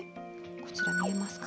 こちら見えますか？